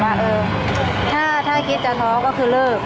แบบว่าถ้าคิดจะท้องก็คือเลิก